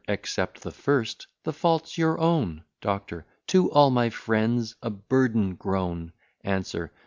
Except the first, the fault's your own. DOCTOR. To all my friends a burden grown. ANSWER.